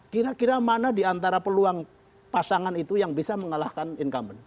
kira kira mana diantara peluang pasangan itu yang bisa mengalahkan incumbent